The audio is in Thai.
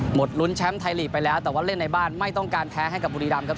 ลุ้นแชมป์ไทยลีกไปแล้วแต่ว่าเล่นในบ้านไม่ต้องการแพ้ให้กับบุรีรำครับ